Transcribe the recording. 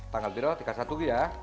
tanggal tiro tiga puluh satu ya